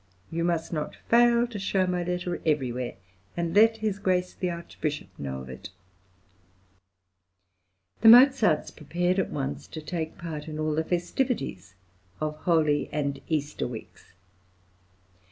You must not fail to show my letter everywhere, and let his Grace the Archbishop know of it." The Mozarts prepared at once to take part in all the festivities of Holy and Easter weeks.